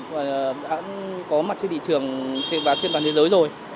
và đã có mặt trên thị trường và trên toàn thế giới rồi